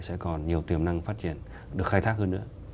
sẽ còn nhiều tiềm năng phát triển được khai thác hơn nữa